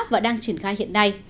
và đang triển khai hiện nay